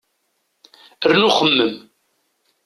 Rnu xemmem!